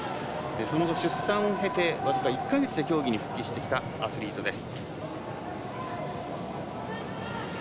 その後、出産を経て僅か１か月で競技に復帰してきたアスリートです。